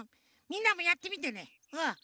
みんなもやってみてねうん。